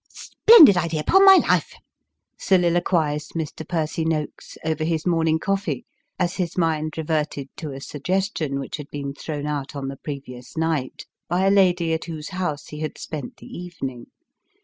" Splendid idea, 'pon my life !" soliloquised Mr. Percy Noakes, over his morning's coffee, as his mind reverted to a suggestion which had been thrown out on the previous night, by a lady at whose house he had spent the evening.